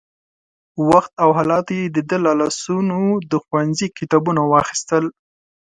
وخت او حالاتو يې د ده له لاسونو د ښوونځي کتابونه واخيستل.